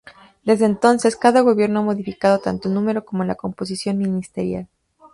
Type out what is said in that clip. Desde entonces, cada gobierno ha modificado tanto el número como la composición ministerial.